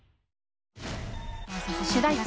主題歌